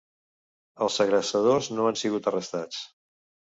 Els segrestadors no han sigut arrestats.